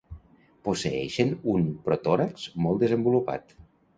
Posseeixen un protòrax molt desenvolupat.